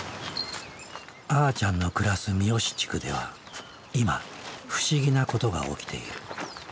あーちゃんの暮らす三義地区では今不思議なことが起きている。